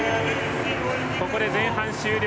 ここで前半終了。